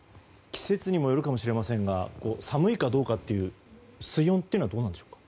季節によるかもしれませんが寒いかどうかという水温っていうのはどうなんでしょうか。